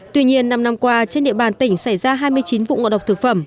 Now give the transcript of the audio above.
tuy nhiên năm năm qua trên địa bàn tỉnh xảy ra hai mươi chín vụ ngộ độc thực phẩm